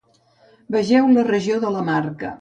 Vegeu la regió de la Marca.